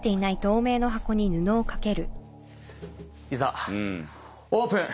いざオープン！